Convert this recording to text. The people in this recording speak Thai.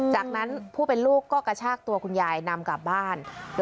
จากนั้นผู้เป็นลูกก็กระชากตัวคุณยายนำกลับบ้าน